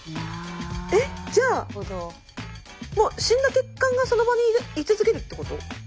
えじゃあもう死んだ血管がその場に居続けるってこと？